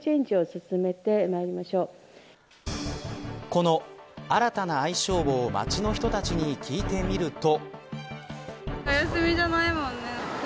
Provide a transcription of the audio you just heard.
この新たな愛称を街の人たちに聞いてみると。